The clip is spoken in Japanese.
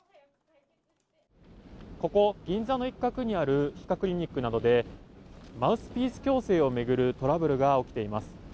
ここ銀座の一角にある歯科クリニックなどでマウスピース矯正を巡るトラブルが起きています。